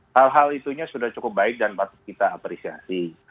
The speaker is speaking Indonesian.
hal hal itunya sudah cukup baik dan patut kita apresiasi